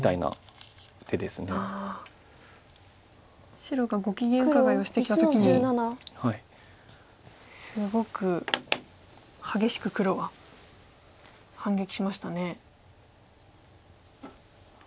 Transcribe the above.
白がご機嫌伺いをしてきた時にすごく激しく黒は反撃しましたね。